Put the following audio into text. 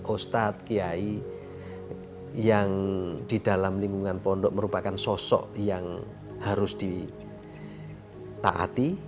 ustadz kiai yang di dalam lingkungan pondok merupakan sosok yang harus ditaati